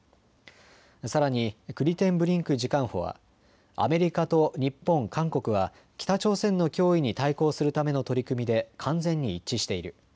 さらにクリテンブリンク次官補はアメリカと日本、韓国は北朝鮮の脅威に対抗するための取り組みで完全に一致している。